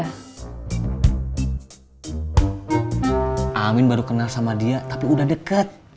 amin baru kenal sama dia tapi udah deket